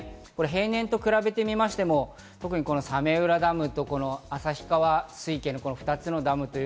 平年と比べても、特に早明浦ダムと旭川水系の２つのダム。